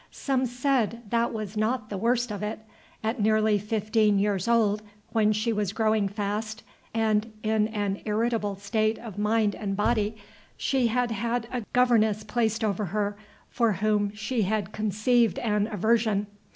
Some said that was not the worst of it. At nearly fifteen years old, when she was growing fast, and in an irritable state of mind and body, she had had a governess placed over her for whom she had conceived an aversion.